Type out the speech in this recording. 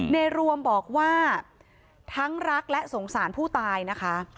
ในรวมบอกว่าทั้งรักและสงสารผู้ตายนะคะ